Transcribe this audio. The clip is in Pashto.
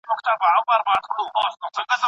زما پر وچو چاودلیو شونډو د خندا مالګه خوره کړه.